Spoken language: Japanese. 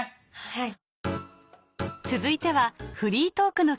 はい。